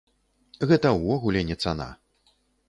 Гэта ўвогуле не цана.